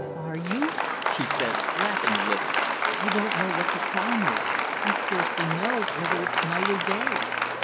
"Are you?" she said, laughing a little. "I don't know what the time is. I scarcely know whether it's night or day."